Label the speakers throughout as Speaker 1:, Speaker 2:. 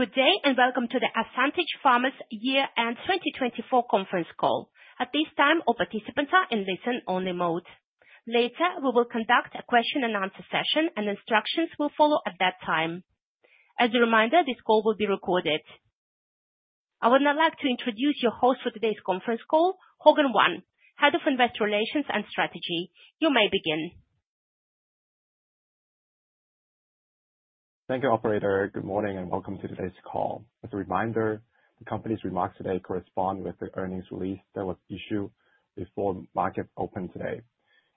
Speaker 1: Good day, and welcome to the Ascentage Pharma's Year-end 2024 Conference Call. At this time, all participants are in listen-only mode. Later, we will conduct a question-and-answer session, and instructions will follow at that time. As a reminder, this call will be recorded. I would now like to introduce your host for today's conference call, Hogan Wan, Head of Investor Relations and Strategy. You may begin.
Speaker 2: Thank you, operator. Good morning and welcome to today's call. As a reminder, the company's remarks today correspond with the earnings release that was issued before the market opened today.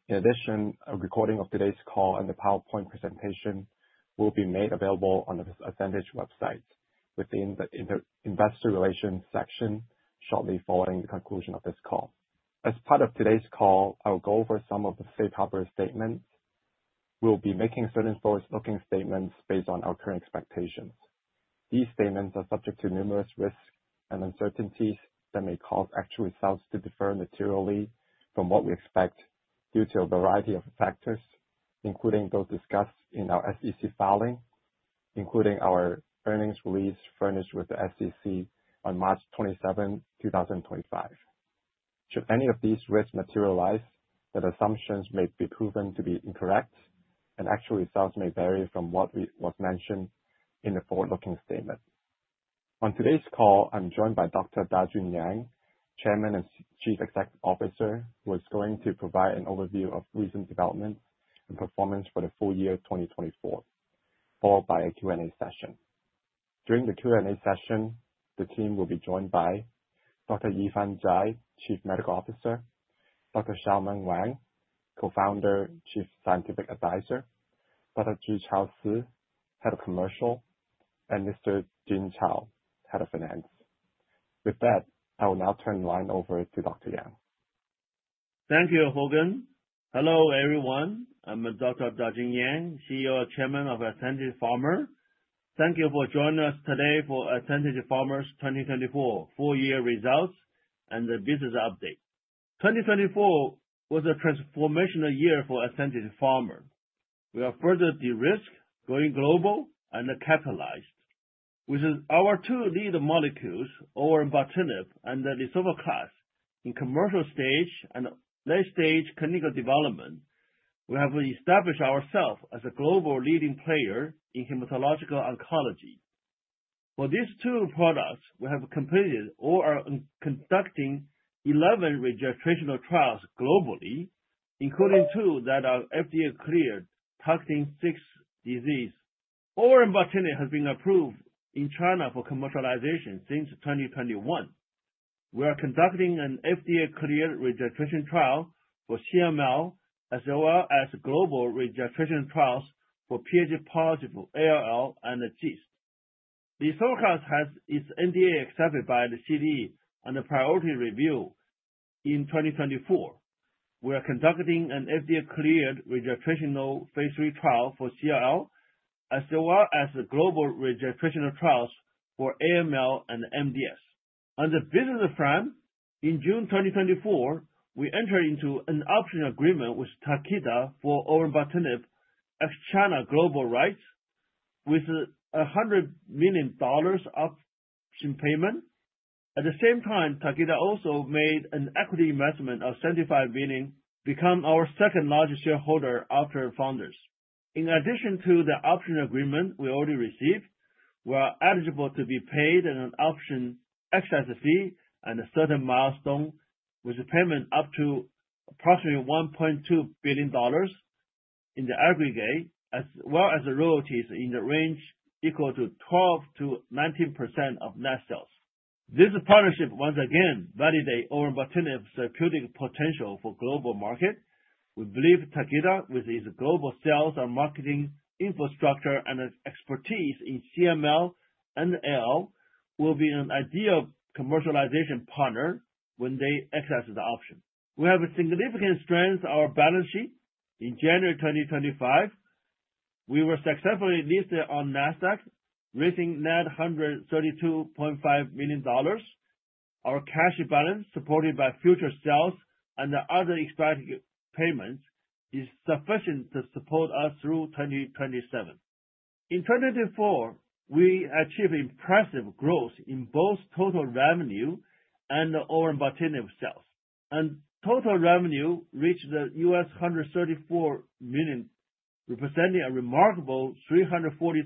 Speaker 2: In addition, a recording of today's call and the PowerPoint presentation will be made available on the Ascentage website within the investor relations section shortly following the conclusion of this call. As part of today's call, I'll go over some of the safe harbor statements. We'll be making certain forward-looking statements based on our current expectations. These statements are subject to numerous risks and uncertainties that may cause actual results to differ materially from what we expect due to a variety of factors, including those discussed in our SEC filing, including our earnings release furnished with the SEC on March 27, 2025. Should any of these risks materialize, that assumptions may be proven to be incorrect and actual results may vary from what was mentioned in the forward-looking statement. On today's call, I'm joined by Dr. Dajun Yang, Chairman and Chief Executive Officer, who is going to provide an overview of recent developments and performance for the full year 2024, followed by a Q&A session. During the Q&A session, the team will be joined by Dr. Yifan Zhai, Chief Medical Officer, Dr. Shaomeng Wang, Co-founder, Chief Scientific Advisor, Dr. Zhichao Si, Head of Commercial, and Mr. Jun Cao, Head of Finance. With that, I'll now turn the line over to Dr. Yang.
Speaker 3: Thank you, Hogan. Hello, everyone. I'm Dr. Dajun Yang, CEO and Chairman of Ascentage Pharma. Thank you for joining us today for Ascentage Pharma's 2024 full year results and business update. 2024 was a transformational year for Ascentage Pharma. We have further de-risked, going global and are capitalized. With our two lead molecules, olverembatinib and lisaftoclax, in commercial stage and late-stage clinical development, we have established ourselves as a global leading player in hematological oncology. For these two products, we have completed or are conducting 11 registrational trials globally, including two that are FDA-cleared targeting six diseases. Olverembatinib has been approved in China for commercialization since 2021. We are conducting an FDA-cleared registration trial for CML as well as global registration trials for Ph-positive ALL and GIST. Lisaftoclax has its NDA accepted by the CDE and a priority review in 2024. We are conducting an FDA-cleared registrational phase III trial for CLL, as well as the global registrational trials for AML and MDS. On the business front, in June 2024, we entered into an option agreement with Takeda for olverembatinib ex-China global rights. With a $100 million up in payment. At the same time, Takeda also made an equity investment of $75 million, become our second largest shareholder after founders. In addition to the option agreement we already received, we are eligible to be paid in an option access fee and a certain milestone with a payment up to approximately $1.2 billion in the aggregate, as well as royalties in the range equal to 12%-19% of net sales. This partnership once again validates olverembatinib's therapeutic potential for global market. We believe Takeda, with its global sales and marketing infrastructure and its expertise in CML and ALL, will be an ideal commercialization partner when they access the option. We have a significant strength on our balance sheet. In January 2025, we were successfully listed on Nasdaq, raising net $132.5 million. Our cash balance, supported by future sales and other expected payments, is sufficient to support us through 2027. In 2024, we achieved impressive growth in both total revenue and olverembatinib sales. Total revenue reached US$134 million, representing a remarkable 342%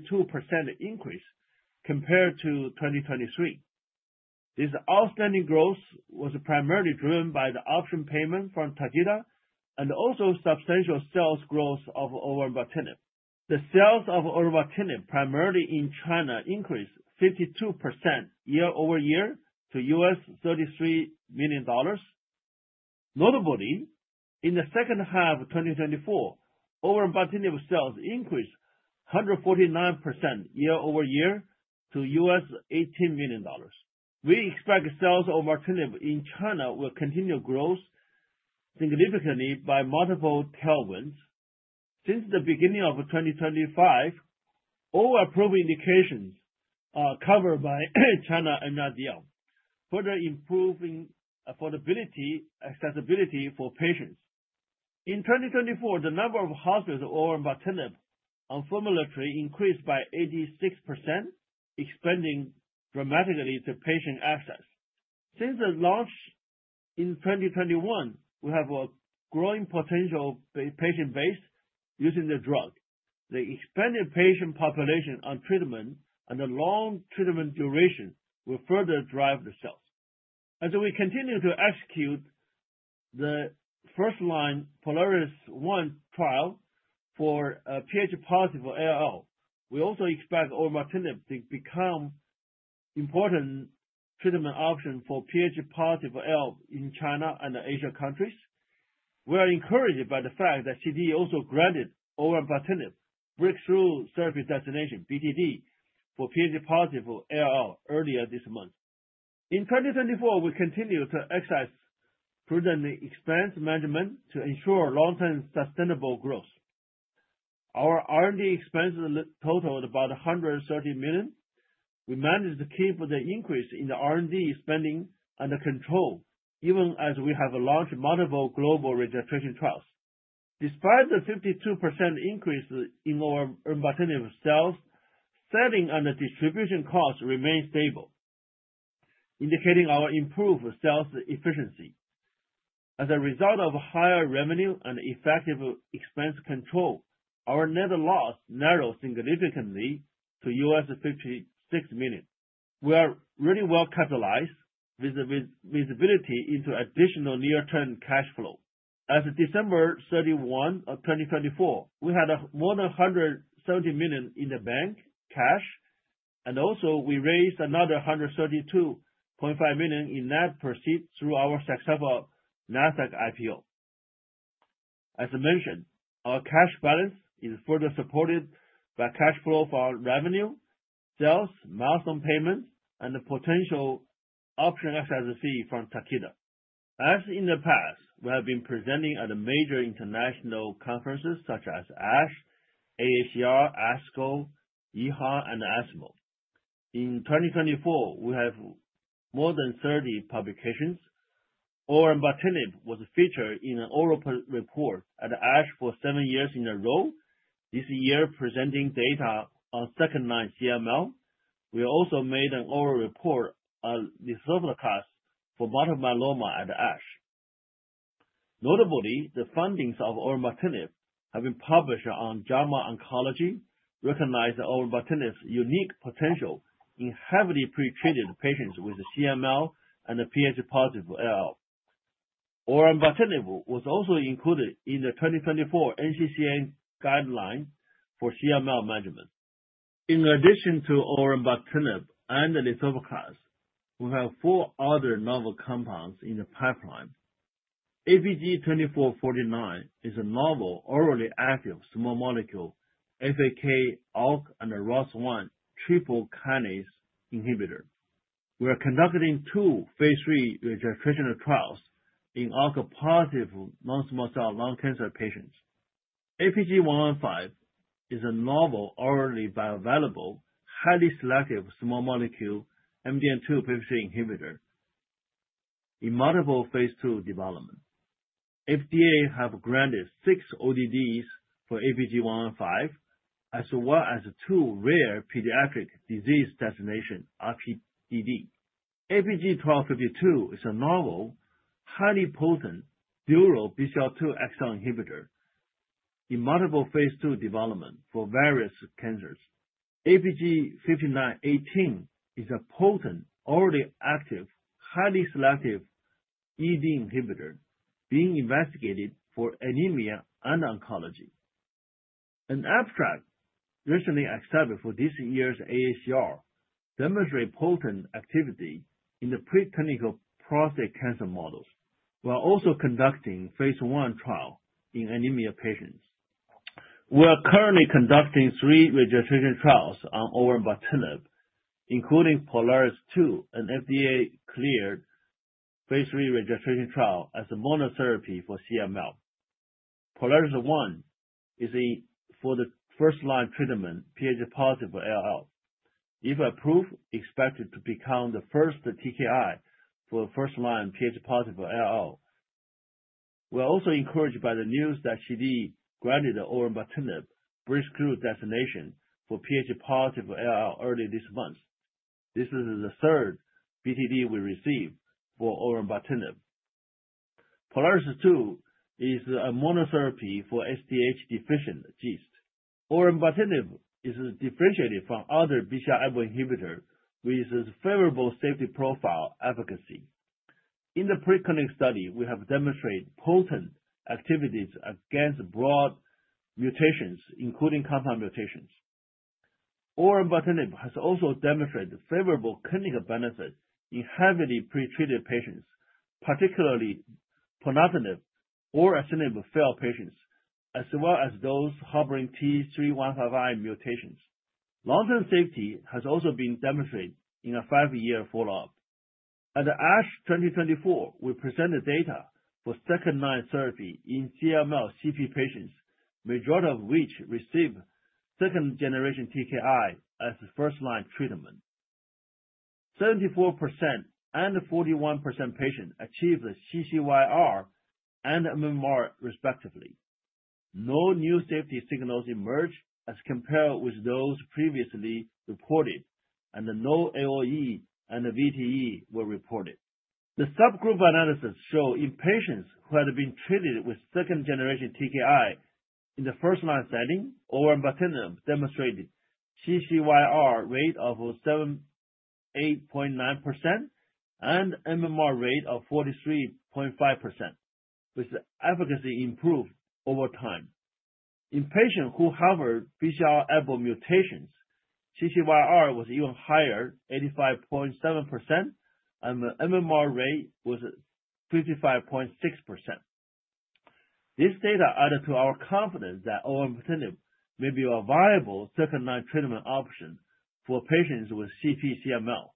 Speaker 3: increase compared to 2023. This outstanding growth was primarily driven by the option payment from Takeda and also substantial sales growth of olverembatinib. The sales of olverembatinib, primarily in China, increased 52% year-over-year to US$33 million. Notably, in the second half of 2024, olverembatinib sales increased 149% year-over-year to US$18 million. We expect sales of olverembatinib in China will continue to grow significantly by multiple tailwinds. Since the beginning of 2025, all approved indications are covered by China NRDL, further improving affordability, accessibility for patients. In 2024, the number of houses of olverembatinib on formulary increased by 86%, expanding dramatically to patient access. Since the launch in 2021, we have a growing potential patient base using the drug. The expanded patient population on treatment and the long treatment duration will further drive the sales. As we continue to execute the first-line POLARIS-1 trial for Ph-positive ALL, we also expect olverembatinib to become important treatment option for Ph-positive ALL in China and Asia countries. We are encouraged by the fact that CDE also granted olverembatinib Breakthrough Therapy Designation, BTD, for Ph-positive ALL earlier this month. In 2024, we continued to exercise prudent expense management to ensure long-term sustainable growth. Our R&D expenses totaled about $130 million. We managed to keep the increase in the R&D spending under control, even as we have launched multiple global registration trials. Despite the 52% increase in our olverembatinib sales, selling and distribution costs remain stable, indicating our improved sales efficiency. As a result of higher revenue and effective expense control, our net loss narrowed significantly to US$56 million. We are really well-capitalized, with visibility into additional near-term cash flow. As of December 31, 2024, we had more than $170 million in the bank, cash, and also we raised another $132.5 million in net proceeds through our successful Nasdaq IPO. As mentioned, our cash balance is further supported by cash flow from revenue, sales, milestone payments, and the potential option access fee from Takeda. As in the past, we have been presenting at major international conferences such as ASH, AACR, ASCO, EHA, and ESMO. In 2024, we have more than 30 publications. Olverembatinib was featured in an oral report at ASH for seven years in a row, this year presenting data on second-line CML. We also made an oral report on lisaftoclax for multiple myeloma at ASH. Notably, the findings of olverembatinib have been published on JAMA Oncology, recognize olverembatinib's unique potential in heavily pre-treated patients with CML and a Ph-positive ALL. Olverembatinib was also included in the 2024 NCCN guideline for CML management. In addition to olverembatinib and the lisaftoclax, we have four other novel compounds in the pipeline. APG-2449 is a novel orally active small molecule FAK, ALK, and ROS1 triple kinase inhibitor. We are conducting 2 phase III registration trials in ALK-positive non-small cell lung cancer patients. APG-115 is a novel orally bioavailable, highly selective small molecule MDM2-p53 inhibitor in multiple phase II development. FDA have granted 6 ODDs for APG-115, as well as 2 rare pediatric disease designation, RPDD. APG-1252 is a novel, highly potent dual BCL-2/BCL-xL inhibitor in multiple phase II development for various cancers. APG-5918 is a potent, orally active, highly selective EED inhibitor being investigated for anemia and oncology. An abstract recently accepted for this year's AACR demonstrate potent activity in the preclinical prostate cancer models. We are also conducting phase I trial in anemia patients. We are currently conducting 3 registration trials on olverembatinib, including POLARIS-2, an FDA-cleared phase III registration trial as a monotherapy for CML. POLARIS-1 is for the first-line treatment Ph-positive ALL. If approved, expected to become the first TKI for first-line Ph-positive ALL. We're also encouraged by the news that CDE granted olverembatinib breakthrough designation for Ph-positive ALL early this month. This is the third BTD we receive for olverembatinib. POLARIS-2 is a monotherapy for SDH deficient GIST. Olverembatinib is differentiated from other BCR-ABL inhibitor with favorable safety profile efficacy. In the preclinical study, we have demonstrated potent activities against broad mutations, including compound mutations. Olverembatinib has also demonstrated favorable clinical benefit in heavily pre-treated patients, particularly ponatinib or asciminib-failed patients, as well as those harboring T315I mutations. Long-term safety has also been demonstrated in a five-year follow-up. At the ASH 2024, we presented data for second-line therapy in CP-CML patients, majority of which receive second-generation TKI as first-line treatment. 74% and 41% patient achieve the CCYR and MMR, respectively. No new safety signals emerge as compared with those previously reported, and no AE and the VTE were reported. The subgroup analysis show in patients who had been treated with second-generation TKI in the first-line setting, olverembatinib demonstrated CCYR rate of 78.9% and MMR rate of 43.5%, with efficacy improved over time. In patient who have BCR-ABL mutations, CCYR was even higher, 85.7%, and the MMR rate was 55.6%. This data added to our confidence that olverembatinib may be a viable second-line treatment option for patients with CP-CML,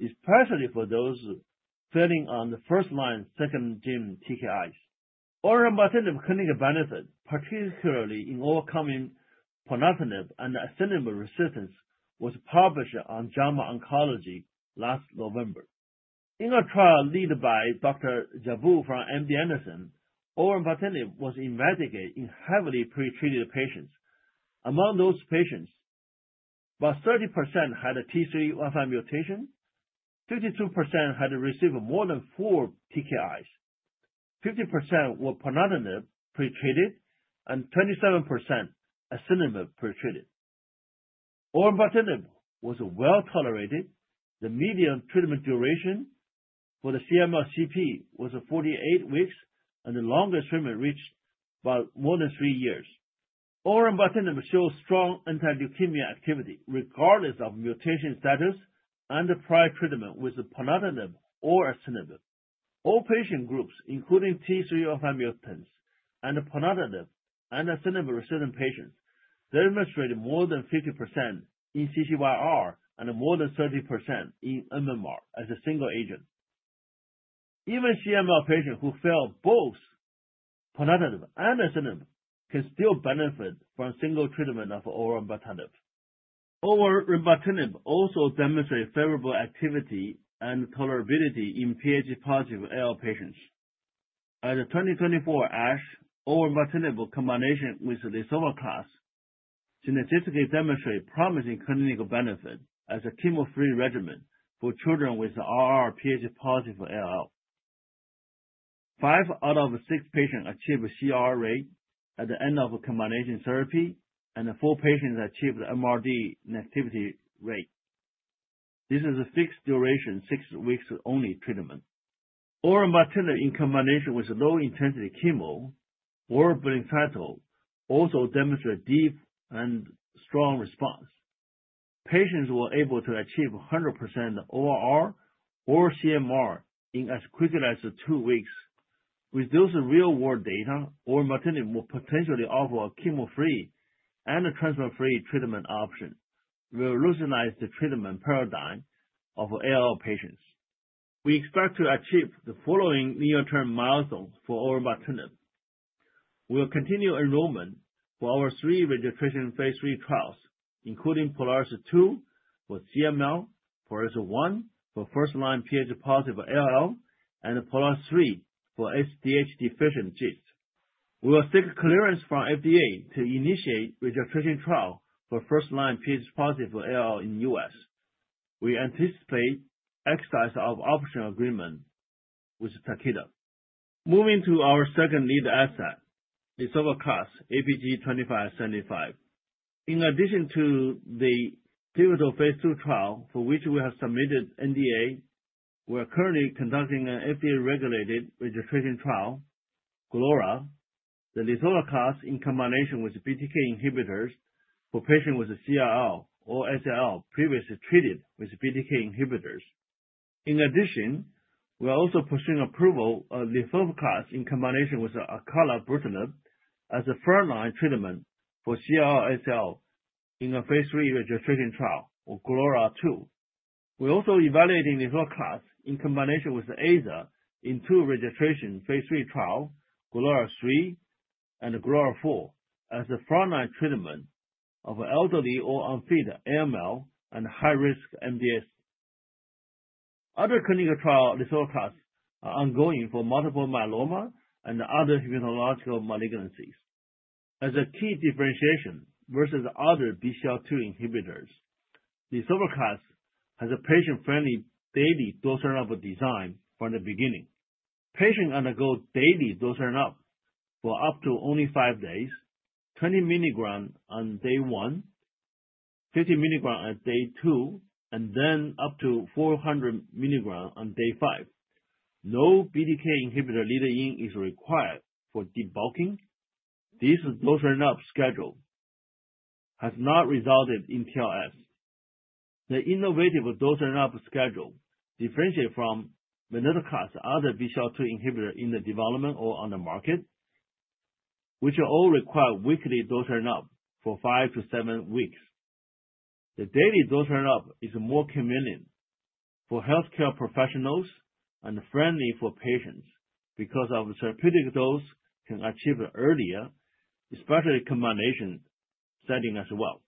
Speaker 3: especially for those failing on the first-line second-gen TKIs. Olverembatinib clinical benefit, particularly in overcoming ponatinib and asciminib resistance, was published on JAMA Oncology last November. In a trial lead by Dr. Jabbour from MD Anderson, olverembatinib was investigated in heavily pre-treated patients. Among those patients, about 30% had a T315I mutation, 32% had received more than 4 TKIs, 50% were ponatinib pre-treated, and 27% asciminib pre-treated. Olverembatinib was well-tolerated. The median treatment duration for the CP-CML was 48 weeks, and the longest treatment reached by more than 3 years. Olverembatinib shows strong anti-leukemia activity regardless of mutation status and prior treatment with the ponatinib or asciminib. All patient groups, including T315I mutants and ponatinib and asciminib-resistant patients, demonstrated more than 50% in CCYR and more than 30% in MMR as a single agent. Even CML patient who failed both ponatinib and asciminib can still benefit from single treatment of olverembatinib. Olverembatinib also demonstrate favorable activity and tolerability in Ph-positive ALL patients. At the 2024 ASH, olverembatinib combination with lisaftoclax statistically demonstrate promising clinical benefit as a chemo-free regimen for children with R/R Ph-positive ALL. 5 out of 6 patients achieve a CR rate at the end of a combination therapy. 4 patients achieve the MRD negativity rate. This is a fixed duration, 6 weeks only treatment. Olverembatinib in combination with low-intensity chemo or blinatumomab also demonstrate deep and strong response. Patients were able to achieve 100% ORR or CMR in as quickly as 2 weeks. With this real-world data, olverembatinib will potentially offer a chemo-free and transplant-free treatment option, will revolutionize the treatment paradigm of ALL patients. We expect to achieve the following near-term milestones for olverembatinib. We will continue enrollment for our 3 registration phase III trials, including POLARIS-2 for CML, POLARIS-1 for first-line Ph-positive ALL, and POLARIS-3 for SDH-deficient GIST. We will seek clearance from FDA to initiate registration trial for first-line Ph-positive ALL in U.S. We anticipate exercise of option agreement with Takeda. Moving to our second lead asset, lisaftoclax APG-2575. In addition to the pivotal phase II trial for which we have submitted NDA, we are currently conducting an FDA-regulated registrational trial, GLORA, lisaftoclax in combination with BTK inhibitors for patient with CLL or SLL previously treated with BTK inhibitors. We are also pursuing approval of lisaftoclax in combination with acalabrutinib as a front-line treatment for CLL, SLL in a phase III registrational trial or GLORA-2. We're also evaluating lisaftoclax in combination with azacitidine in 2 registration phase III trial, GLORA-3 and GLORA-4, as a front-line treatment of elderly or unfit AML and high-risk MDS. Other clinical trial lisaftoclax are ongoing for multiple myeloma and other hematological malignancies. As a key differentiation versus other BCL-2 inhibitors, lisaftoclax has a patient-friendly daily dose ramp-up design from the beginning. Patient undergo daily dose ramp-up for up to only 5 days, 20 milligram on day 1, 50 milligram at day 2, and then up to 400 milligram on day 5. No BTK inhibitor lead-in is required for debulking. This dose ramp-up schedule has not resulted in TLS. The innovative dose ramp-up schedule differentiate from venetoclax, other BCL-2 inhibitor in the development or on the market, which all require weekly dose ramp-up for 5 to 7 weeks. The daily dose ramp-up is more convenient for healthcare professionals and friendly for patients because of therapeutic dose can achieve it earlier, especially combination setting as well.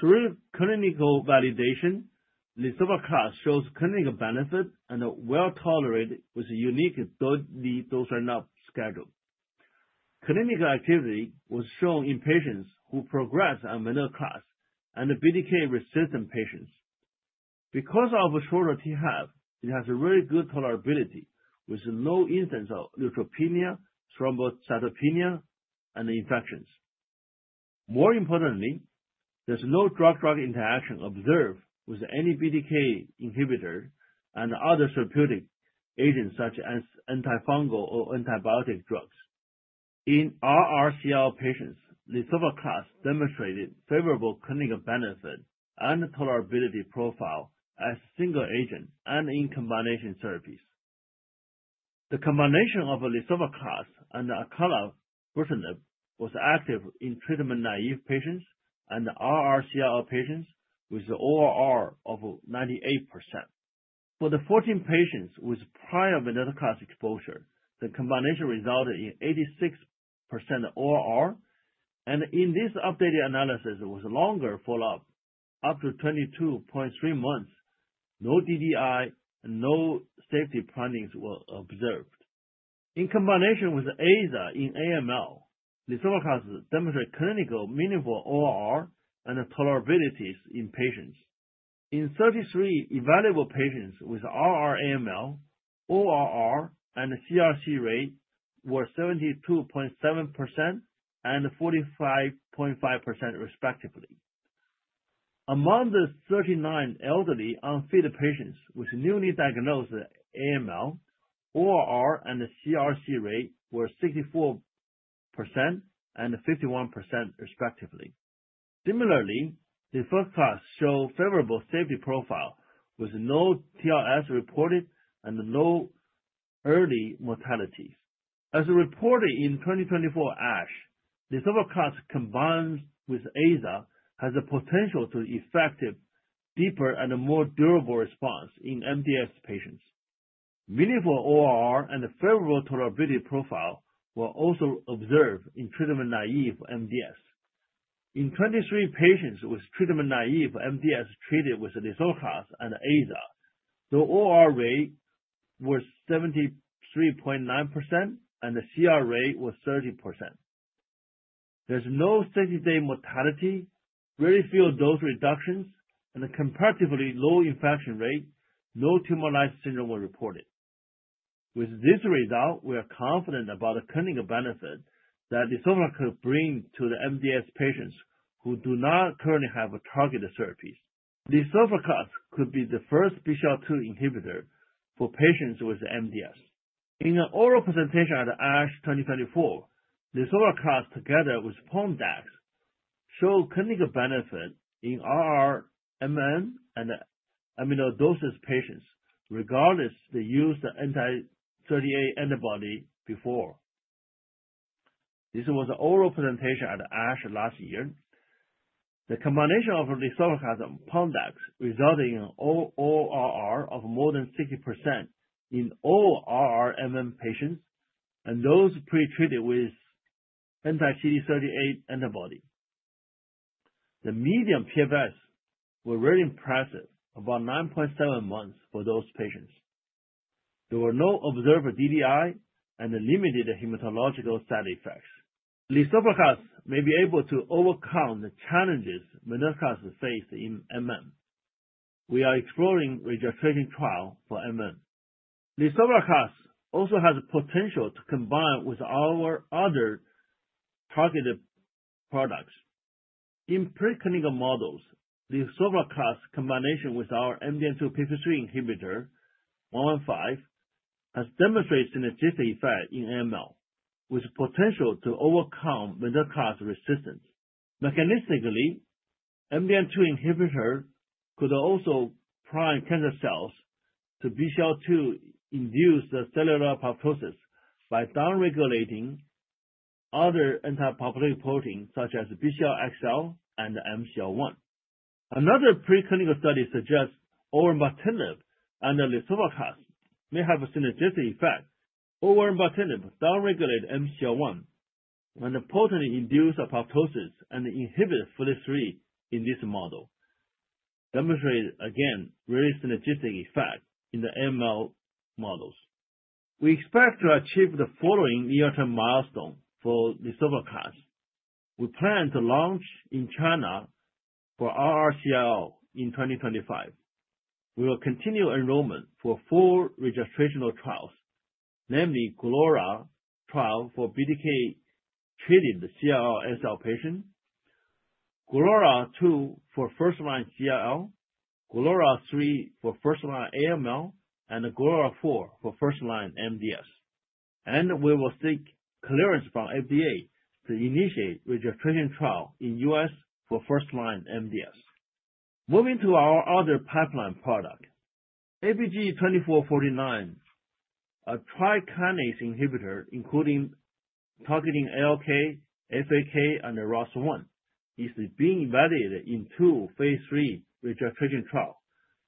Speaker 3: Through clinical validation, lisaftoclax shows clinical benefit and it well tolerated with a unique daily dose ramp-up schedule. Clinical activity was shown in patients who progress on venetoclax and the BTK-resistant patients. Because of a shorter t1/2, it has a very good tolerability with no instance of neutropenia, thrombocytopenia, and infections. More importantly, there's no drug-drug interaction observed with any BTK inhibitor and other therapeutic agents such as antifungal or antibiotic drugs. In R/R CLL patients, lisaftoclax demonstrated favorable clinical benefit and tolerability profile as single agent and in combination therapies. The combination of lisaftoclax and acalabrutinib was active in treatment-naive patients and R/R CLL patients with ORR of 98%. For the 14 patients with prior venetoclax exposure, the combination resulted in 86% ORR. In this updated analysis, it was longer follow-up, up to 22.3 months, no DDI, no safety findings were observed. In combination with Aza in AML, lisaftoclax demonstrate clinical meaningful ORR and tolerabilities in patients. In 33 evaluable patients with R/R AML, ORR and CRc rate were 72.7% and 45.5% respectively. Among the 39 elderly unfit patients with newly diagnosed AML, ORR and the CRc rate were 64% and 51% respectively. Similarly, lisaftoclax show favorable safety profile with no TLS reported and no early mortalities. As reported in 2024 ASH, lisaftoclax combined with Aza has the potential to effective deeper and a more durable response in MDS patients. Meaningful ORR and a favorable tolerability profile were also observed in treatment-naive MDS. In 23 patients with treatment-naive MDS treated with lisaftoclax and Aza, the ORR rate was 73.9% and the CR rate was 30%. There's no 30-day mortality, very few dose reductions, and a comparatively low infection rate. No Tumor Lysis Syndrome were reported. With this result, we are confident about the clinical benefit that lisaftoclax could bring to the MDS patients who do not currently have targeted therapies. Lisaftoclax could be the first BCL-2 inhibitor for patients with MDS. In an oral presentation at ASH 2024, lisaftoclax together with Pom/dex show clinical benefit in R/R MM and amyloidosis patients, regardless they used the anti-CD38 antibody before. This was an oral presentation at ASH last year. The combination of lisaftoclax and Pom/dex resulted in ORR of more than 60% in all R/R MM patients and those pre-treated with anti-CD38 antibody. The median PFS were very impressive, about 9.7 months for those patients. There were no observed DDI and limited hematological side effects. Lisaftoclax may be able to overcome the challenges venetoclax face in MM. We are exploring registration trial for MM. Lisaftoclax also has potential to combine with our other targeted products. In pre-clinical models, lisaftoclax combination with our MDM2-p53 inhibitor, APG-115, has demonstrated synergistic effect in AML, with potential to overcome venetoclax resistance. Mechanistically, MDM2 inhibitor could also prime cancer cells to BCL-2 induce the cellular apoptosis by down-regulating other anti-apoptotic protein such as BCL-xL and MCL-1. Another pre-clinical study suggests olverembatinib and lisaftoclax may have a synergistic effect. Olverembatinib down-regulate MCL-1 when the protein induce apoptosis and inhibits for the three in this model. Demonstrate again very synergistic effect in the AML models. We expect to achieve the following near-term milestone for lisaftoclax. We plan to launch in China for R/R CLL in 2025. We will continue enrollment for full registrational trials, namely GLORA trial for BTK-treated CLL/SLL patient, GLORA-2 for first-line CLL, GLORA-3 for first-line AML, and GLORA-4 for first-line MDS. We will seek clearance from FDA to initiate registration trial in U.S. for first-line MDS. Moving to our other pipeline product, APG-2449, a tri-kinase inhibitor, including targeting ALK, FAK, and ROS1, is being evaluated in two phase III registration trial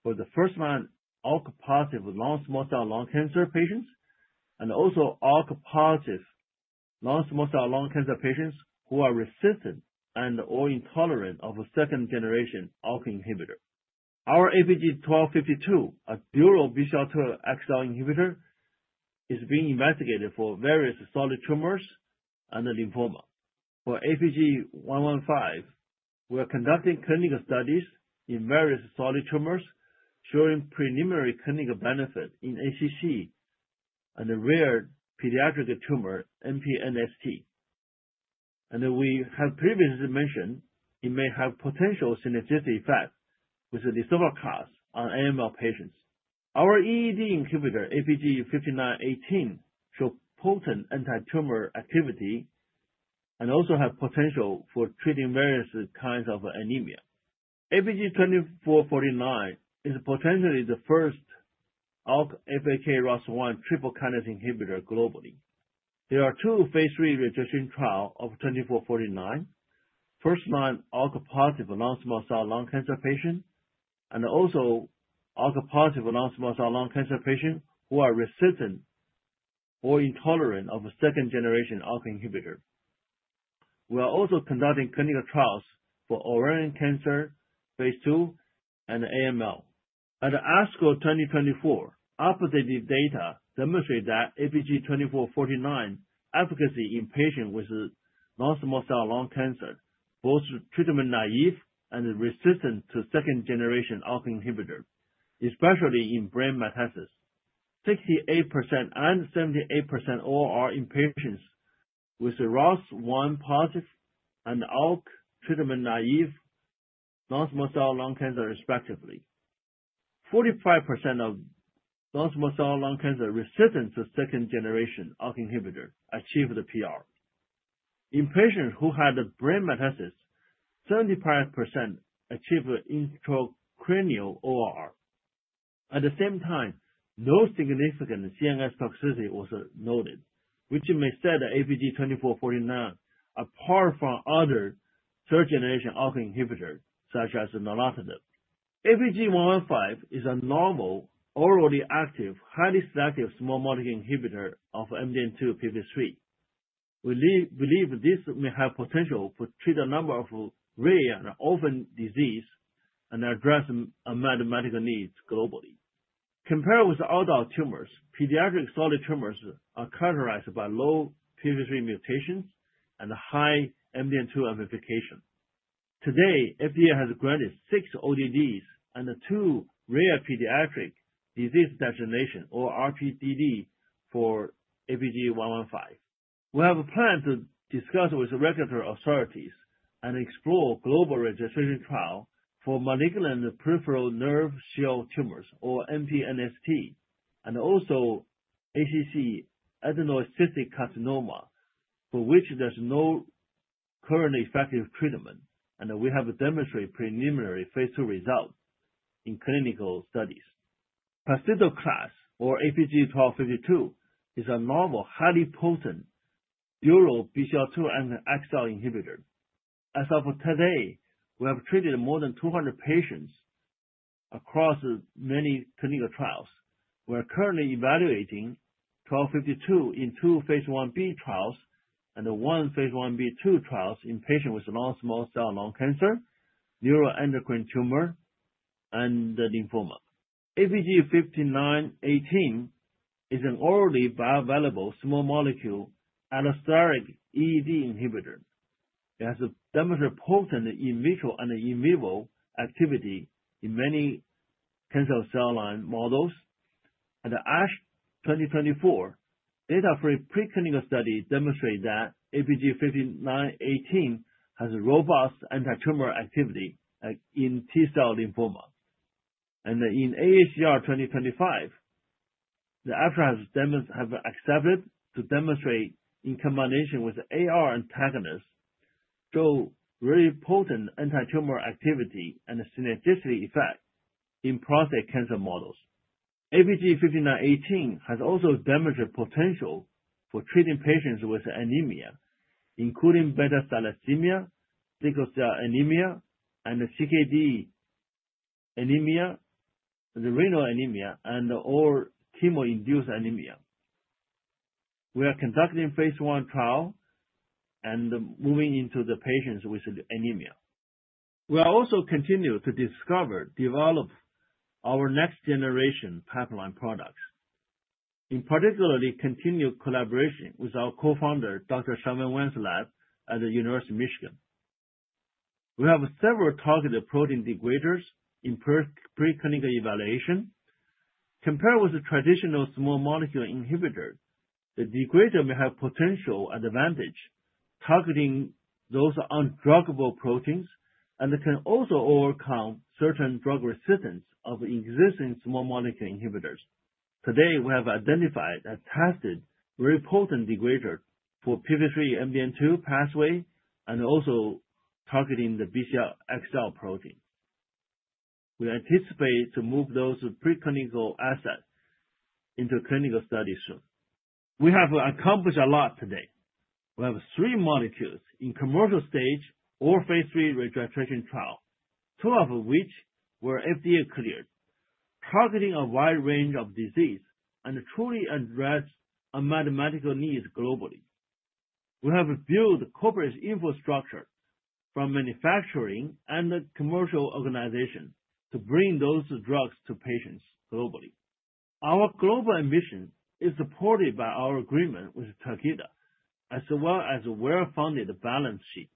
Speaker 3: for the first-line ALK-positive with non-small cell lung cancer patients. Also ALK-positive non-small cell lung cancer patients who are resistant and/or intolerant of a second-generation ALK inhibitor. Our APG-1252, a dual BCL-2/BCL-xL inhibitor, is being investigated for various solid tumors and lymphoma. For APG-115, we are conducting clinical studies in various solid tumors, showing preliminary clinical benefit in ACC and the rare pediatric tumor MPNST. We have previously mentioned it may have potential synergistic effect with the resembling class on AML patients. Our EED inhibitor, APG-5918, show potent anti-tumor activity and also have potential for treating various kinds of anemia. APG-2449 is potentially the first ALK, FAK, ROS1 triple kinase inhibitor globally. There are two phase III registration trial of 2449. First-line ALK-positive non-small cell lung cancer patient and also ALK-positive non-small cell lung cancer patient who are resistant or intolerant of a second-generation ALK inhibitor. We are also conducting clinical trials for ovarian cancer, phase II, and AML. At the ASCO 2024, our positive data demonstrate that APG-2449 efficacy in patient with non-small cell lung cancer, both treatment-naive and resistant to second-generation ALK inhibitor, especially in brain metastasis. 68% and 78% ORR in patients with ROS1-positive and ALK treatment-naive non-small cell lung cancer, respectively. 45% of non-small cell lung cancer resistant to second-generation ALK inhibitor achieve the PR. In patients who had brain metastasis, 75% achieve intracranial ORR. At the same time, no significant CNS toxicity was noted, which may set APG-2449 apart from other third-generation ALK inhibitors such as lorlatinib. APG-115 is a novel, orally active, highly selective small molecule inhibitor of MDM2-p53. We believe this may have potential for treat a number of rare and orphan disease and address unmet medical needs globally. Compared with adult tumors, pediatric solid tumors are characterized by low TP53 mutations and high MDM2 amplification. Today, FDA has granted six ODDs and two rare pediatric disease designation or RPDD for APG-115. We have a plan to discuss with regulatory authorities and explore global registration trial for malignant peripheral nerve sheath tumors, or MPNST, and also ACC, adenoid cystic carcinoma, for which there's no current effective treatment, and we have demonstrated preliminary phase II results in clinical studies. Pelcitoclax, or APG-1252, is a novel, highly potent dual BCL-2 and BCL-xL inhibitor. As of today, we have treated more than 200 patients across many clinical trials. We are currently evaluating 1252 in two phase I-B trials and one phase I-B/II trials in patient with non-small cell lung cancer, neuroendocrine tumor, and lymphoma. APG-5918 is an orally bioavailable small molecule allosteric EED inhibitor. It has demonstrated potent in vitro and in vivo activity in many cancer cell line models. At the ASH 2024, data from preclinical studies demonstrate that APG-5918 has robust anti-tumor activity in T-cell lymphoma. In AACR 2025, the abstract have accepted to demonstrate in combination with AR antagonists, show very potent anti-tumor activity and synergistic effect in prostate cancer models. APG-5918 has also demonstrated potential for treating patients with anemia, including beta thalassemia, sickle cell anemia, and CKD anemia, the renal anemia, and all chemo-induced anemia. We are conducting phase I trial and moving into the patients with anemia. We are also continue to discover, develop our next generation pipeline products. In particular, continue collaboration with our co-founder, Dr. Shaomeng Wang's lab at the University of Michigan. We have several targeted protein degraders in pre-clinical evaluation. Compared with the traditional small molecule inhibitor, the degrader may have potential advantage targeting those undruggable proteins and can also overcome certain drug resistance of existing small molecule inhibitors. Today, we have identified and tested very potent degrader for p53/MDM2 pathway and also targeting the BCL-XL protein. We anticipate to move those pre-clinical assets into clinical studies soon. We have accomplished a lot today. We have three molecules in commercial stage or phase III registration trial, two of which were FDA cleared, targeting a wide range of disease and truly address unmet medical needs globally. We have built corporate infrastructure from manufacturing and the commercial organization to bring those drugs to patients globally. Our global ambition is supported by our agreement with Takeda, as well as a well-funded balance sheet.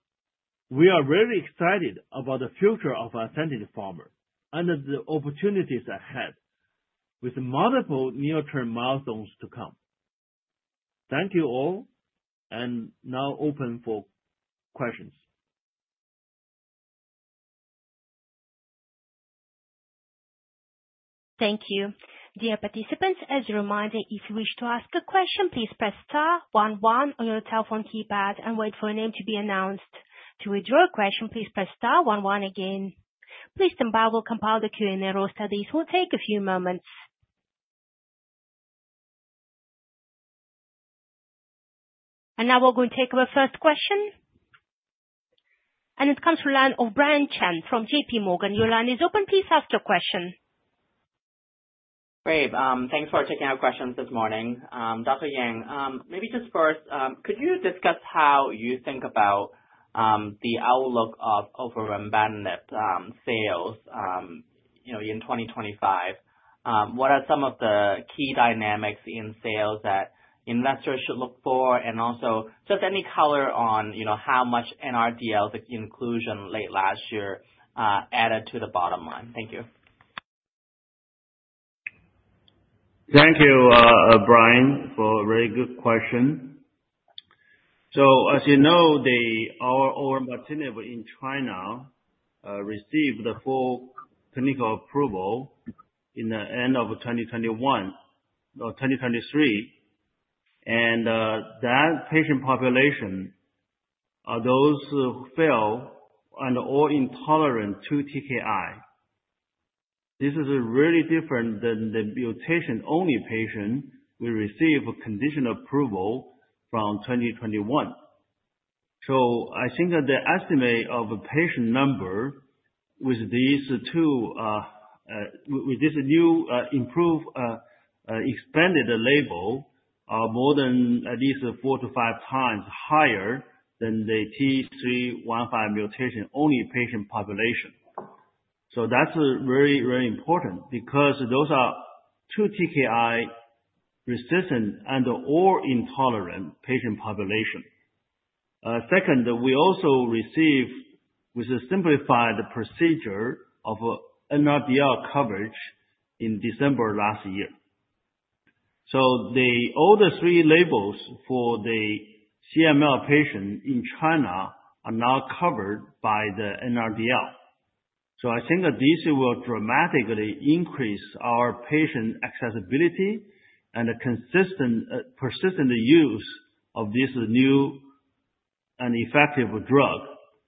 Speaker 3: We are really excited about the future of Ascentage Pharma and the opportunities ahead with multiple near-term milestones to come. Thank you all. Now open for questions.
Speaker 1: Thank you. Dear participants, as a reminder, if you wish to ask a question, please press star one one on your telephone keypad and wait for a name to be announced. To withdraw a question, please press star one one again. Please stand by, we'll compile the Q&A roster. This will take a few moments. Now we're going to take our first question. It comes to the line of Brian Chen from JP Morgan. Your line is open. Please ask your question.
Speaker 4: Great. Thanks for taking our questions this morning. Dr. Yang, maybe just first, could you discuss how you think about the outlook of olverembatinib sales in 2025? What are some of the key dynamics in sales that investors should look for? Also, just any color on how much NRDL's inclusion late last year added to the bottom line. Thank you.
Speaker 3: Thank you, Brian, for a very good question. As you know, our olverembatinib in China, received the full clinical approval in the end of 2021 or 2023. That patient population are those who fail and/or intolerant to TKI. This is really different than the mutation-only patient will receive a conditional approval from 2021. I think that the estimate of a patient number with this new, improved, expanded label are more than at least four to five times higher than the T315 mutation-only patient population. That's very, very important because those are two TKI-resistant and/or intolerant patient population. Second, we also received with a simplified procedure of NRDL coverage in December last year. All the three labels for the CML patient in China are now covered by the NRDL. I think that this will dramatically increase our patient accessibility and a persistent use of this new and effective drug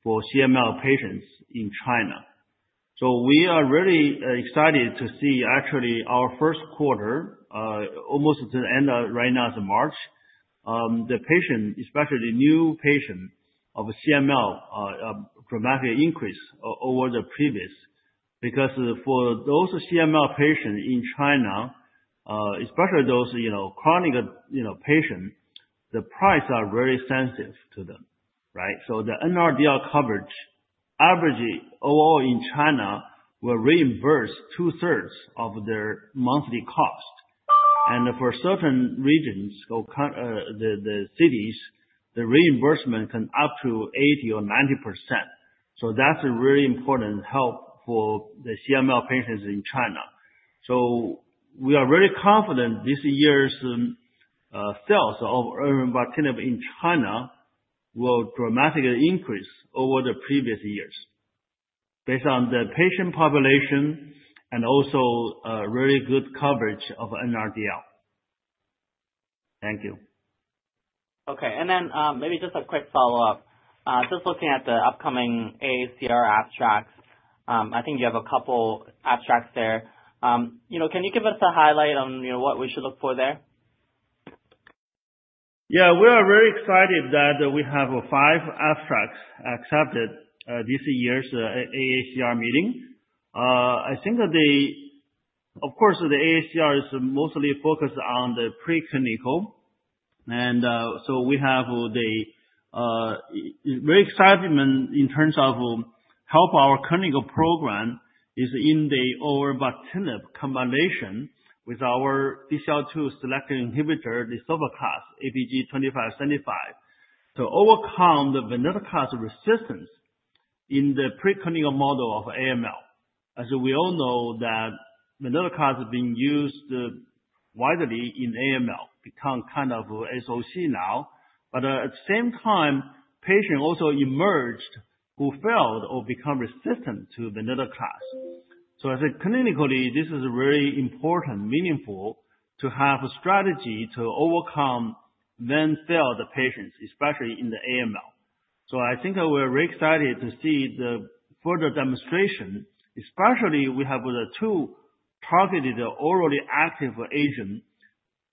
Speaker 3: for CML patients in China. We are really excited to see actually our first quarter, almost to the end right now is March. The patient, especially new patient of CML, dramatically increased over the previous, because for those CML patients in China, especially those chronic patients, the price are very sensitive to them. Right? The NRDL coverage averages all in China will reimburse two-thirds of their monthly cost. For certain regions or the cities, the reimbursement can up to 80% or 90%. That's a really important help for the CML patients in China. We are very confident this year's sales of olverembatinib in China will dramatically increase over the previous years based on the patient population and also really good coverage of NRDL. Thank you.
Speaker 4: Okay. Maybe just a quick follow-up. Just looking at the upcoming AACR abstracts. I think you have a couple abstracts there. Can you give us a highlight on what we should look for there?
Speaker 3: Yeah. We are very excited that we have five abstracts accepted this year's AACR meeting. Of course, the AACR is mostly focused on the preclinical. We have the very excitement in terms of how our clinical program is in the olverembatinib combination with our BCL-2 selective inhibitor, the lisaftoclax, APG-2575, to overcome the venetoclax resistance in the preclinical model of AML. As we all know that venetoclax has been used widely in AML, become kind of SOC now. At the same time, patient also emerged who failed or become resistant to venetoclax. As clinically, this is very important, meaningful to have a strategy to overcome then failed patients, especially in the AML. I think we're very excited to see the further demonstration, especially we have the two targeted orally active agent,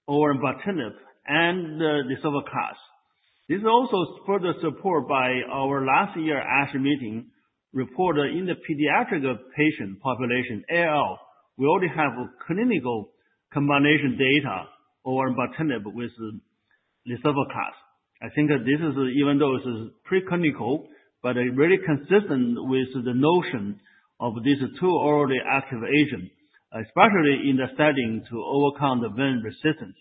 Speaker 3: olverembatinib and the lisaftoclax. This is also further support by our last year ASH meeting report in the pediatric patient population, ALL, we already have clinical combination data olverembatinib with lisaftoclax. I think that even though this is preclinical, it's really consistent with the notion of these two orally active agents, especially in the setting to overcome the venetoclax resistance.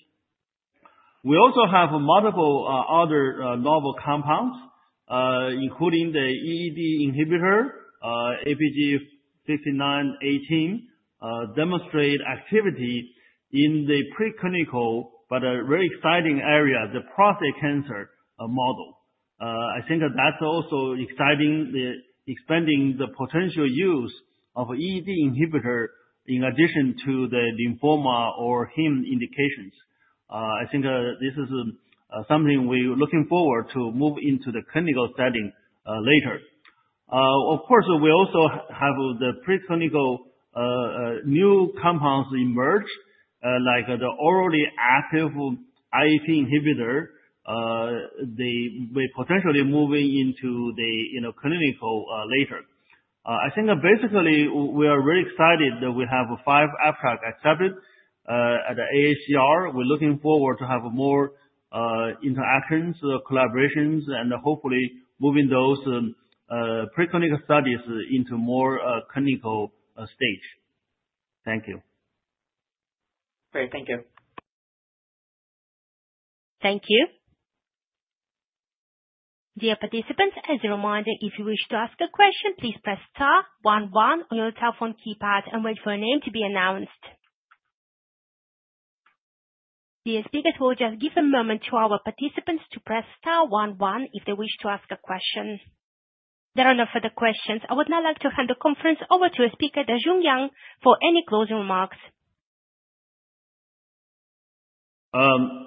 Speaker 3: We also have multiple other novel compounds, including the EED inhibitor, APG-5918, demonstrate activity in the preclinical, a very exciting area, the prostate cancer model. I think that's also exciting, expanding the potential use of EED inhibitor in addition to the lymphoma or HEM indications. I think this is something we're looking forward to move into the clinical setting later. Of course, we also have the preclinical new compounds emerge, like the orally active IAP inhibitor. We're potentially moving into the clinical later. I think that basically we are very excited that we have five abstracts accepted at the AACR. We're looking forward to have more interactions, collaborations, and hopefully moving those preclinical studies into more clinical stage. Thank you.
Speaker 4: Great. Thank you.
Speaker 1: Thank you. Dear participants, as a reminder, if you wish to ask a question, please press star one one on your telephone keypad and wait for your name to be announced. Dear speakers, we'll just give a moment to our participants to press star one one if they wish to ask a question. There are no further questions. I would now like to hand the conference over to speaker, Dajun Yang, for any closing remarks.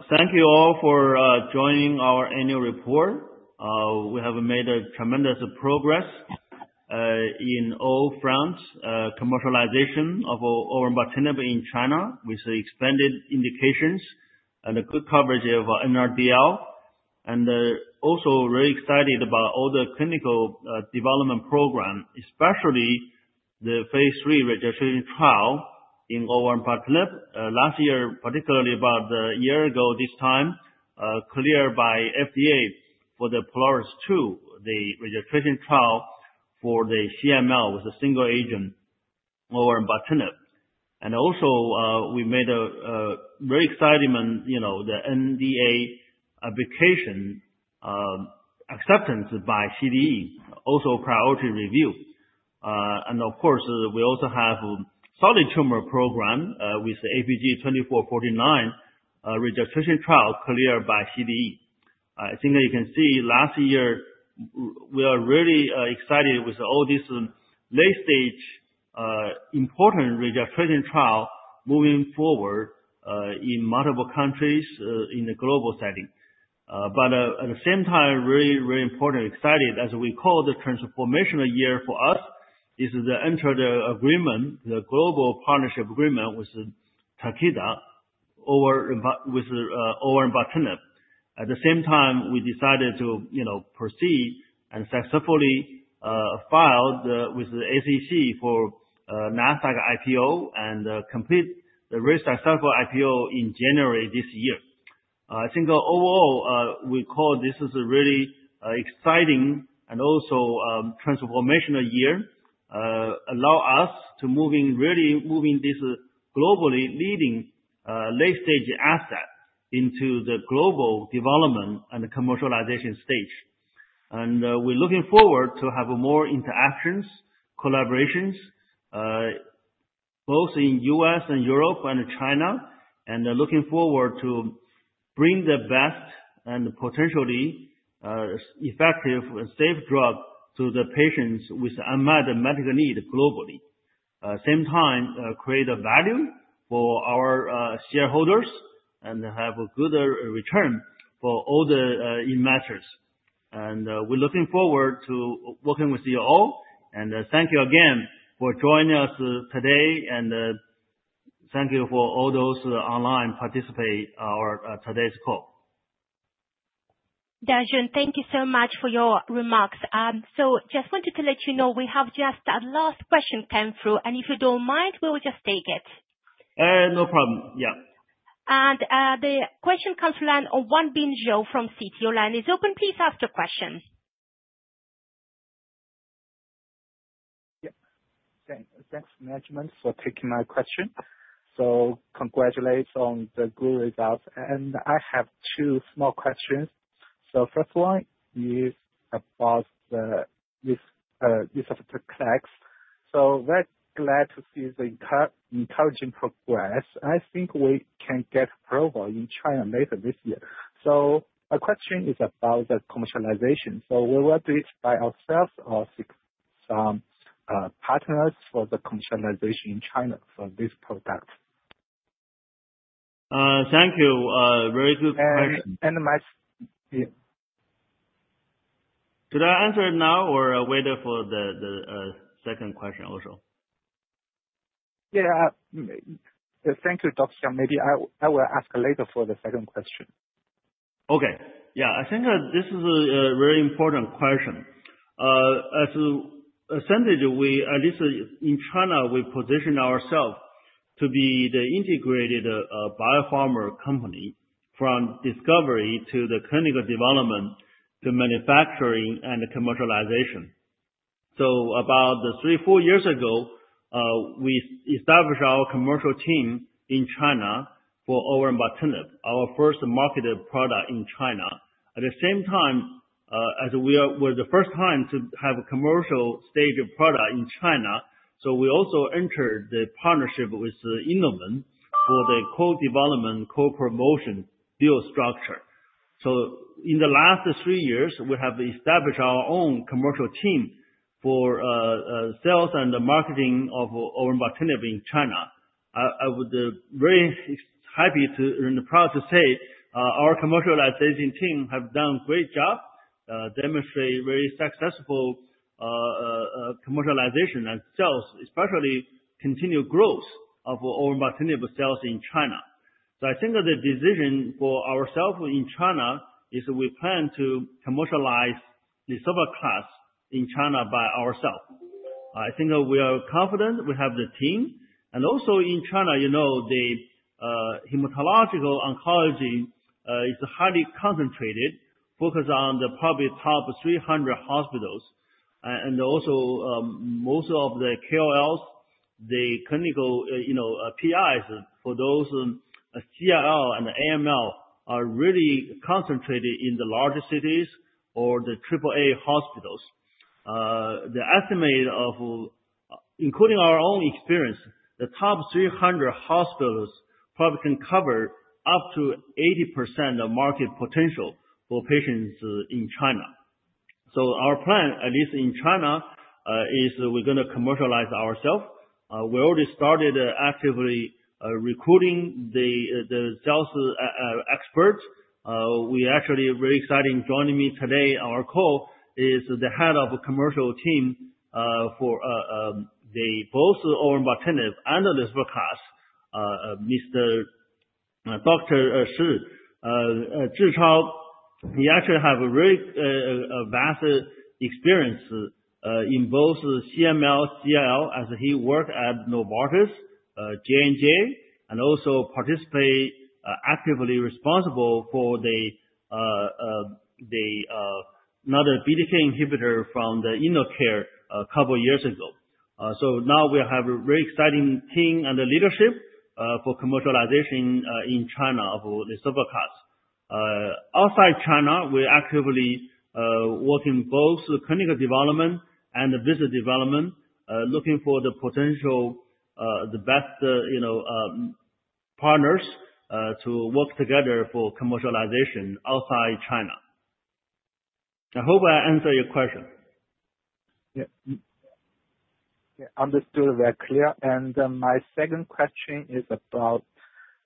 Speaker 3: Thank you all for joining our annual report. We have made a tremendous progress, in all fronts, commercialization of olverembatinib in China with expanded indications and a good coverage of NRDL. Also very excited about all the clinical development program, especially the phase III registration trial in olverembatinib. Last year, particularly about a year ago this time, cleared by FDA for the POLARIS-2, the registration trial for the CML was a single agent olverembatinib. Also, we made a very exciting, the NDA application acceptance by CDE, also priority review. Of course, we also have solid tumor program, with the APG-2449 registration trial cleared by CDE. I think that you can see last year we are really excited with all this late stage important registration trial moving forward in multiple countries in the global setting. At the same time, really important, excited as we call the transformational year for us is the enter the agreement, the global partnership agreement with Takeda with olverembatinib. At the same time, we decided to proceed and successfully filed with the SEC for Nasdaq IPO and complete a very successful IPO in January this year. I think overall, we call this a really exciting and also transformational year, allow us to really moving this globally leading late-stage asset into the global development and commercialization stage. We're looking forward to have more interactions, collaborations, both in the U.S. and Europe and China, and looking forward to bring the best and potentially effective and safe drug to the patients with unmet medical need globally. At the same time, we will create a value for our shareholders and have a good return for all the investors. We're looking forward to working with you all, and thank you again for joining us today, and thank you for all those online participate our today's call.
Speaker 1: Dajun, thank you so much for your remarks. Just wanted to let you know we have just a last question come through, and if you don't mind, we will just take it.
Speaker 3: No problem. Yeah.
Speaker 1: The question comes from Wangbin Zhou from Citi. Line is open. Please ask your question.
Speaker 5: Yeah. Thanks management for taking my question. Congratulate on the good results. I have two small questions. First one is about the use of the products. Very glad to see the encouraging progress. I think we can get approval in China later this year. My question is about the commercialization. We will do it by ourselves or seek some partners for the commercialization in China for this product?
Speaker 3: Thank you. Very good question.
Speaker 5: Yeah.
Speaker 3: Should I answer it now or wait for the second question also?
Speaker 5: Yeah. Thank you, Doctor. Maybe I will ask later for the second question.
Speaker 3: Okay. Yeah. I think that this is a very important question. As Ascentage, at least in China, we position ourself to be the integrated biopharma company from discovery to the clinical development to manufacturing and commercialization. About three, four years ago, we established our commercial team in China for olverembatinib, our first marketed product in China. At the same time, as we were the first time to have a commercial stage of product in China, we also entered the partnership with InnoVent for the co-development, co-promotion deal structure. In the last three years, we have established our own commercial team for sales and the marketing of olverembatinib in China. I would be very happy to, and proud to say, our commercialization team have done a great job, demonstrate very successful commercialization and sales, especially continued growth of olverembatinib sales in China. I think that the decision for ourself in China is we plan to commercialize lisaftoclax in China by ourself. I think that we are confident, we have the team, and also in China, the hematological oncology is highly concentrated, focused on the probably top 300 hospitals. Most of the KOLs, the clinical PIs for those CLL and AML are really concentrated in the larger cities or the triple A hospitals. The estimate of, including our own experience, the top 300 hospitals probably can cover up to 80% of market potential for patients in China. Our plan, at least in China, is we're going to commercialize ourself. We already started actively recruiting the sales experts. We actually very exciting, joining me today on our call is the head of the commercial team for both olverembatinib and lisaftoclax, Dr. Zhichao Si. He actually have a very vast experience in both CML, CLL, as he worked at Novartis, J&J, and also participate actively responsible for another BTK inhibitor from the InnoCare a couple years ago. Now we have a very exciting team and leadership for commercialization in China of lisaftoclax. Outside China, we're actively working both the clinical development and the business development, looking for the potential, the best partners, to work together for commercialization outside China. I hope I answer your question.
Speaker 5: Yeah. Understood. Very clear. My second question is about,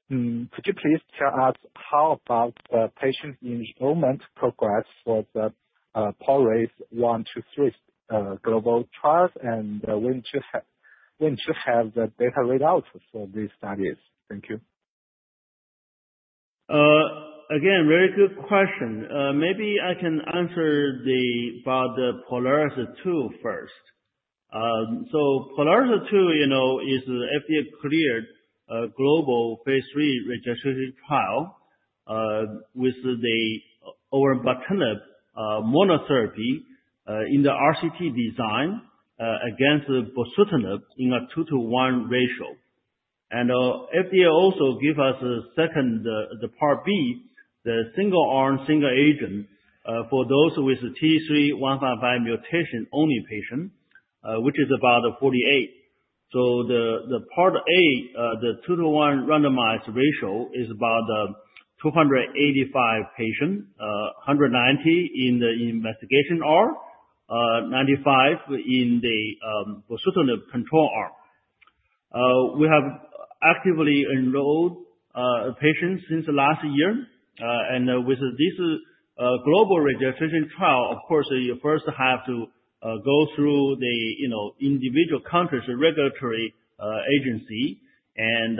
Speaker 5: could you please tell us how about the patient enrollment progress for the POLARIS-1, 2, 3 global trials, and when to have the data readouts for these studies? Thank you.
Speaker 3: Again, very good question. Maybe I can answer about the POLARIS-2 first. POLARIS-2 is an FDA-cleared global phase III registration trial with the olverembatinib monotherapy in the RCT design against bosutinib in a 2-to-1 ratio. FDA also give us a second, the part B, the single arm, single agent, for those with the T315I mutation-only patient, which is about 48. The part A, the 2-to-1 randomized ratio is about 285 patients, 190 in the investigation arm, 95 in the bosutinib control arm. We have actively enrolled patients since last year, and with this global registration trial, of course, you first have to go through the individual country's regulatory agency, and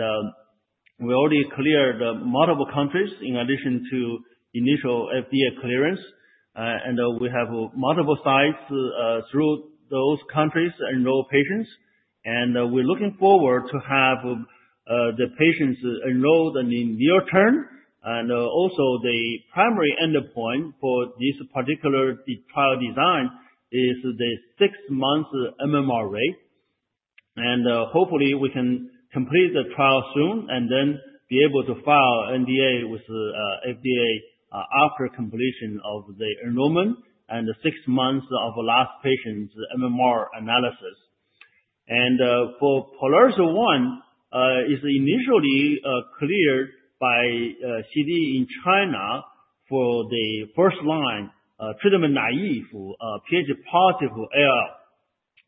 Speaker 3: we already cleared multiple countries in addition to initial FDA clearance. We have multiple sites through those countries enroll patients, and we're looking forward to have the patients enrolled in the near term. Also, the primary endpoint for this particular trial design is the 6-month MMR rate. Hopefully, we can complete the trial soon and then be able to file NDA with the FDA after completion of the enrollment and the 6 months of last patient's MMR analysis. For POLARIS-1, is initially cleared by CDE in China for the first-line treatment-naive Ph-positive ALL.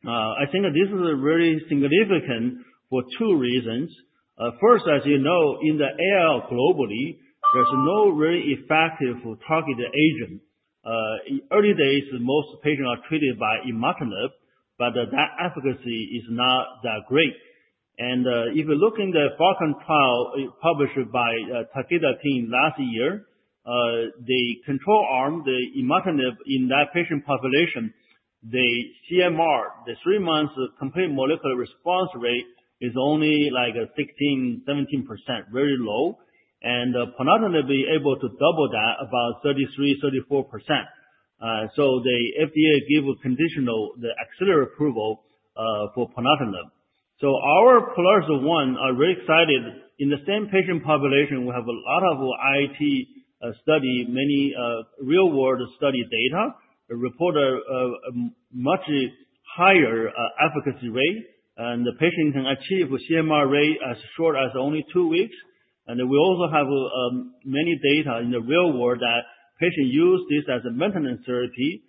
Speaker 3: I think this is very significant for 2 reasons. First, as you know, in the ALL globally, there's no very effective targeted agent. In early days, most patients are treated by imatinib, but that efficacy is not that great. If you look in the PhALLCON trial published by Takeda team last year, the control arm, the imatinib in that patient population, the CMR, the 3 months complete molecular response rate is only 16%-17%, very low, and ponatinib will be able to double that, about 33%-34%. The FDA gave a conditional accelerated approval for ponatinib. Our POLARIS-1, very excited. In the same patient population, we have a lot of IT study, many real-world study data, report a much higher efficacy rate, and the patient can achieve a CMR rate as short as only 2 weeks. We also have many data in the real world that patients use this as a maintenance therapy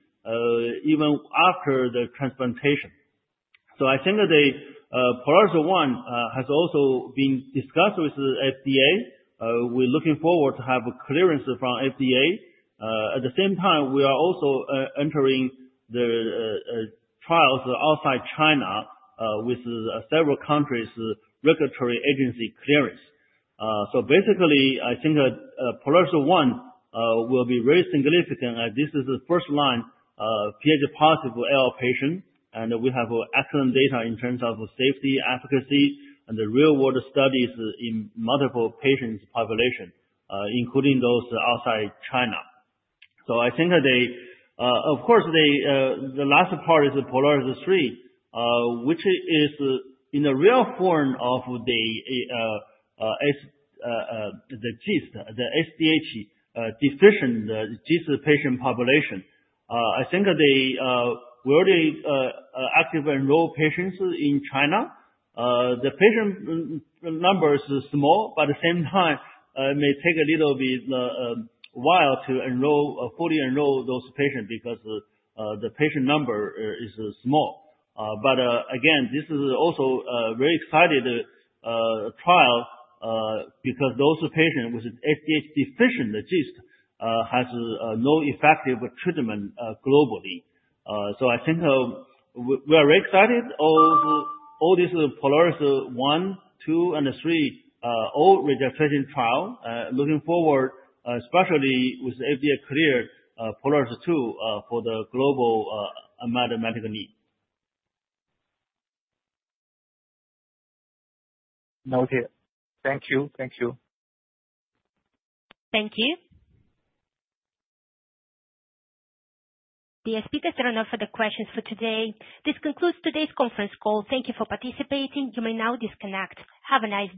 Speaker 3: even after the transplantation. I think that the POLARIS-1 has also been discussed with the FDA. We're looking forward to have clearance from FDA. At the same time, we are also entering the trials outside China with several countries' regulatory agency clearance. Basically, I think that POLARIS-1 will be very significant as this is the first-line Ph-positive ALL patient, and we have excellent data in terms of safety, efficacy, and the real-world studies in multiple patient populations, including those outside China. Of course, the last part is the POLARIS-3, which is in the rare form of the GIST, the SDH-deficient GIST patient population. I think we already actively enroll patients in China. The patient number is small, but at the same time, it may take a little bit while to fully enroll those patients because the patient number is small. Again, this is also a very exciting trial because those patients with SDH-deficient GIST has no effective treatment globally. I think we are very excited of all these POLARIS-1, POLARIS-2, and POLARIS-3, all registration trials, looking forward, especially with FDA-cleared POLARIS-2 for the global unmet medical need.
Speaker 5: Okay. Thank you.
Speaker 1: Thank you. The speakers have run out of the questions for today. This concludes today's conference call. Thank you for participating. You may now disconnect. Have a nice day.